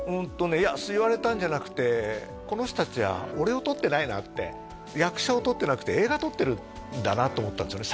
いや言われたんじゃなくてこの人達は俺を撮ってないなって役者を撮ってなくて映画撮ってるんだなって思ったんですよね